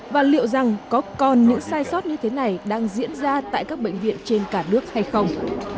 và liệu rằng có còn những sai sót như thế này đang diễn ra tại các bệnh viện trên cả nước hay không